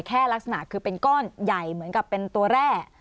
ลักษณะคือเป็นก้อนใหญ่เหมือนกับเป็นตัวแร่